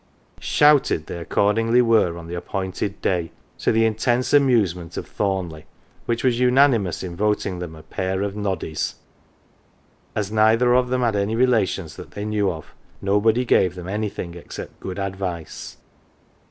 11 " Shouted " they accordingly were on the appointed day, to the intense amusement of Thornleigh, which was unanimous in voting them "a pair of noddies." As neither of them had any relations that they knew of, nobody gave them anything except good advice.